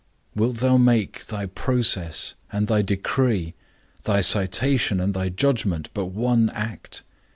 Wilt thou make thy process and thy decree, thy citation and thy judgment, but one act?